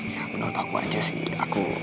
ya menurut aku aja sih aku